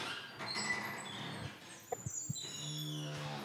加告兹语维基是采用加告兹语拉丁字母版。